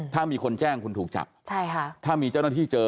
ถ้ามีคนแจ้งคุณถูกจับใช่ค่ะถ้ามีเจ้าหน้าที่เจอ